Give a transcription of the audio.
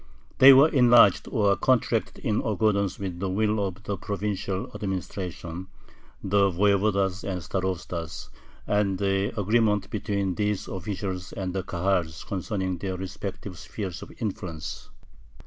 They were enlarged or contracted in accordance with the will of the provincial administration, the voyevodas and starostas, and the agreements between these officials and the Kahals concerning their respective spheres of influence.